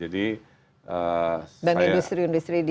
dan industri industri di